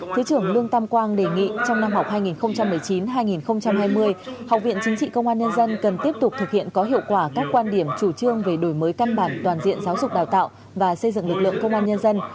thứ trưởng lương tam quang đề nghị trong năm học hai nghìn một mươi chín hai nghìn hai mươi học viện chính trị công an nhân dân cần tiếp tục thực hiện có hiệu quả các quan điểm chủ trương về đổi mới căn bản toàn diện giáo dục đào tạo và xây dựng lực lượng công an nhân dân